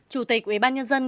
chủ tịch ủy ban nhân dân